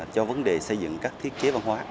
cho vấn đề xây dựng các thiết chế văn hóa